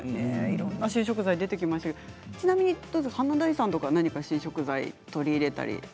いろんな新食材出てきましたけどちなみに華大さんは何か新食材取り入れたり。